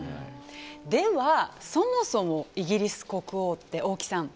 では、そもそもイギリス国王って、大木さん